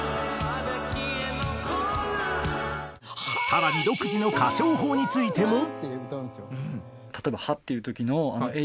更に独自の歌唱法についても。